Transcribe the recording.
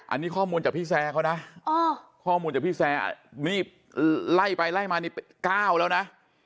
อันนี้ข้อมูลจากพี่แซร์เขานะข้อมูลจากพี่แซร์นี่ไล่ไปไล่มานี่๙แล้วนะ